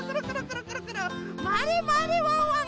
まわれまわれワンワン！